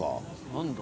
何だ？